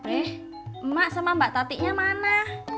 eh emak sama mbak tatiknya mana